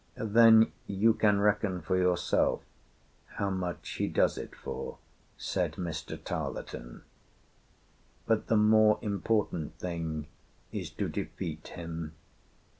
"Then you can reckon for yourself how much he does it for," said Mr. Tarleton. "But the more important thing is to defeat him.